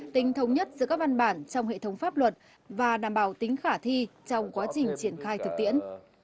tính thống nhất giữa các văn bản trong hệ thống pháp luật và đảm bảo tính khả thi trong quá trình triển khai thực tiễn